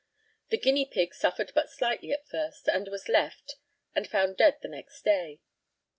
The guinea pig suffered but slightly at first and was left, and found dead the next day.